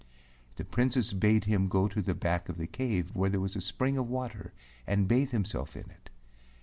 The Princess bade him go to the back of the cave where there was a spring of water and bathe himself in it.